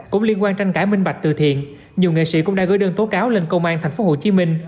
cũng liên quan tranh cãi minh bạch từ thiện nhiều nghệ sĩ cũng đã gửi đơn tố cáo lên công an tp hcm